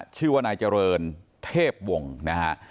ชื่อว่านายเจริญเทพวงศ์นะฮะ